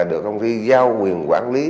được công ty giao quyền quản lý